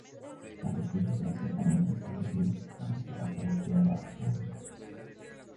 Hay vestigios de asentamientos establecidos antes que la propia Varsovia.